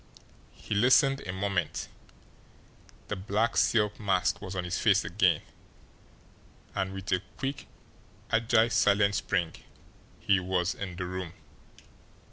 He listened a moment the black silk mask was on his face again and with a quick, agile, silent spring he was in the room.